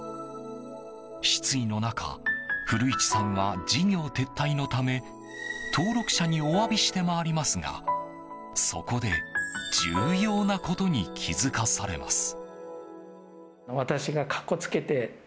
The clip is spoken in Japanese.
失意の中古市さんは事業撤退のため登録者にお詫びして回りますがそこで重要なことに気づかされます。